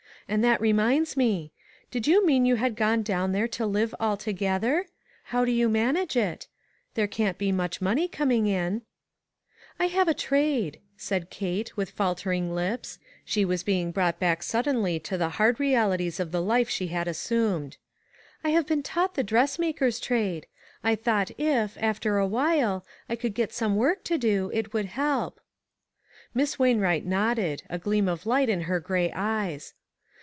And that reminds me : did you mean you had gone down there to live alto gether? How do you manage it? There can't be much money coming in." 326 ONE COMMONPLACE DAY. " I have a trade," said Kate, with falter ing lips. She was being brought back sud denly to the hard realities of the life she had assumed. "I have been taught the dressmaker's trade. I thought if, after awhile, I could get some work to do, it would help." Miss Wainwright nodded, a gleam of light in her gray eyes.